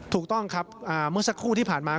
ถูกต้องครับเมื่อสักครู่ที่ผ่านมา